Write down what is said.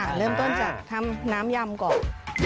เริ่มต้นจากทำน้ำยำก่อน